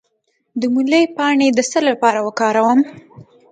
د مولی پاڼې د څه لپاره وکاروم؟